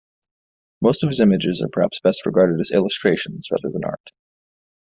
Most of his images are perhaps best regarded as illustrations rather than art.